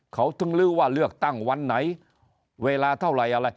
เขาถึงรู้ว่าเลือกตั้งวันไหนเวลาเท่าไหร่อะไร